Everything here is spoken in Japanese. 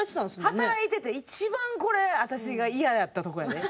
働いてて一番これ私がイヤやったとこやで。